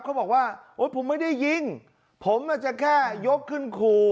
เขาบอกว่าโอ๊ยผมไม่ได้ยิงผมอาจจะแค่ยกขึ้นขู่